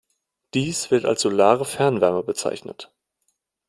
Dies wird als Solare Fernwärme bezeichnet.